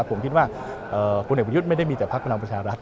ผมคิดว่าพลเอกประยุทธ์ไม่ได้มีแต่พักพลังประชารัฐ